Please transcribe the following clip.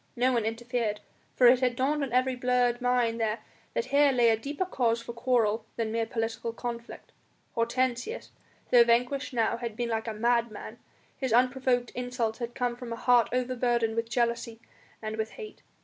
No one interfered, for it had dawned on every blurred mind there that here lay a deeper cause for quarrel than mere political conflict. Hortensius, though vanquished now, had been like a madman; his unprovoked insults had come from a heart overburdened with jealousy and with hate.